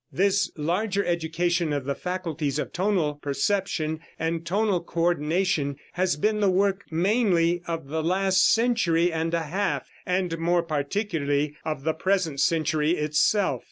This larger education of the faculties of tonal perception and tonal co ordination has been the work mainly of the last century and a half, and more particularly of the present century itself.